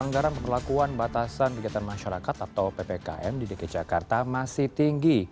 pelanggaran perlakuan batasan kegiatan masyarakat atau ppkm di dg jakarta masih tinggi